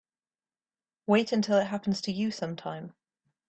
Wait until it happens to you sometime.